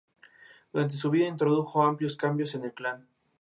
Durante su vida introdujo amplios cambios en el clan.